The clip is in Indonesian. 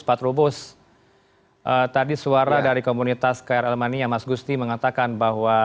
pak trubus tadi suara dari komunitas krl mania mas gusti mengatakan bahwa